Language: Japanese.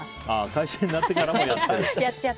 会社員になってからもやってる。